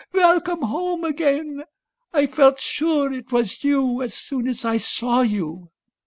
Welcome home again ! I felt sure it was you as soon as I saw you."